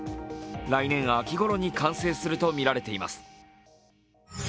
来年秋頃に完成するとみられています。